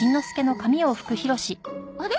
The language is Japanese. あれ？